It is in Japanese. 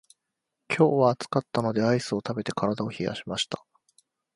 今日は暑かったのでアイスを食べて体を冷やしました。